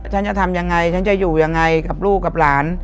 ฉันจะทำยังไงฉันจะอยู่ยังไงกับลูกกับหลาน